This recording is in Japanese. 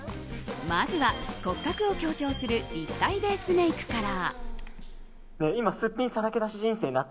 まずは骨格を強調する立体ベースメイクから。